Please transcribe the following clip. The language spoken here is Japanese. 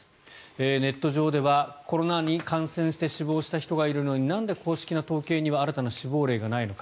ネット上ではコロナに感染して死亡した人がいるのになんで公式な統計には新たな死亡例がないのか。